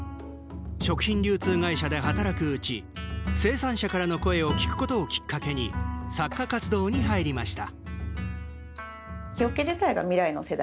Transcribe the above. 食品流通会社で働くうち生産者からの声を聞くことをきっかけに作家活動に入りました。